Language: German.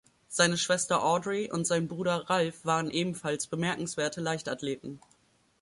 Seine Schwester Audrey und sein Bruder Ralph waren ebenfalls bemerkenswerte Leichtathleten.